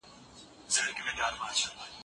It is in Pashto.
ایا زده کړه په مورنۍ ژبه اسانه ده؟